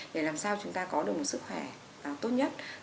để làm sao chúng ta có được một sức khỏe tốt nhất